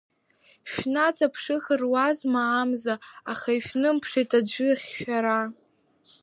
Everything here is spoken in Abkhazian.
Шәнаҵаԥшыхыр руазма амза, аха ишәнымԥшит аӡәы хьшәара.